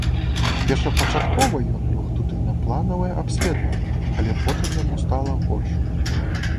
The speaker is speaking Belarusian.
Першапачаткова ён лёг туды на планавае абследаванне, але потым яму стала горш.